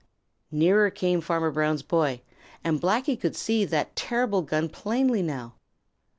Nearer came Farmer Brown's boy, and Blacky could see that terrible gun plainly now.